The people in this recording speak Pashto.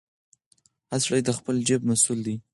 هر سړی د خپل جیب مسوول دی.